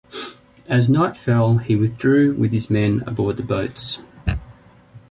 As night fell, he withdrew with his men aboard the boats.